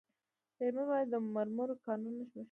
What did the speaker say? د هلمند ولایت د مرمرو کانونه مشهور دي؟